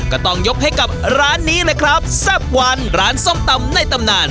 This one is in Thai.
ก็ต้องยกให้กับร้านนี้เลยครับแซ่บวันร้านส้มตำในตำนาน